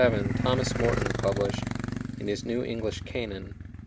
] In 1637 Thomas Morton published, in his "New English Canaan," p.